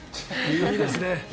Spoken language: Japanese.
いいですね。